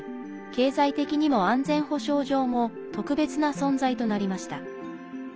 経済的にも安全保障上も特別な存在となりました。